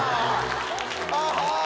ああ！